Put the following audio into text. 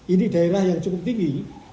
ini daerah yang cukup tinggi